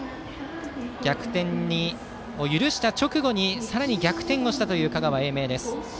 逆転を許した直後にさらに逆転をした香川・英明です。